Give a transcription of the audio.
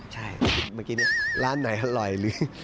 ใช่เมื่อกี้เนี่ยร้านไหนอร่อยหรือ